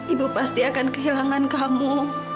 ibu pasti akan kehilangan kamu